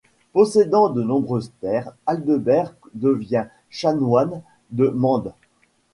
Possédant donc de nombreuses terres, Aldebert devient chanoine de Mende.